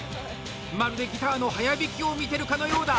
まるでギターの速弾きを見てるかのようだ。